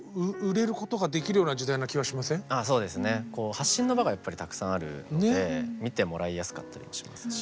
発信の場がやっぱりたくさんあるので見てもらいやすかったりしますし。